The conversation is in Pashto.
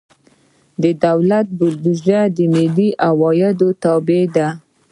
د دولت بودیجه د ملي عوایدو تابع ده.